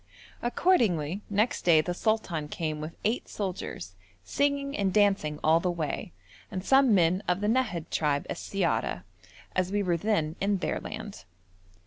Accordingly next day the sultan came with eight soldiers, singing and dancing all the way, and some men of the Nahad tribe as siyara, as we were then in their land.